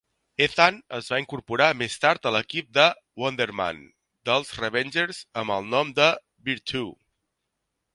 Ethan es va incorporar més tard a l'equip de Wonder Man dels Revengers amb el nom de Virtue.